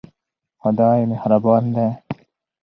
خدای مهربان دی.